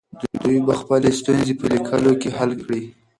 دوی به خپلې ستونزې په لیکلو کې حل کړي.